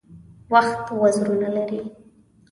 وخت وزرونه لري .